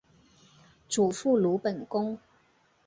祖父鲁本恭。